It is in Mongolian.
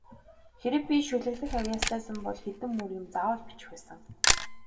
Хэрэв би шүлэглэх авьяастай сан бол хэдэн мөр юм заавал бичих байсан.